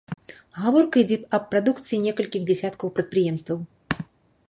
Гаворка ідзе аб прадукцыі некалькіх дзясяткаў прадпрыемстваў.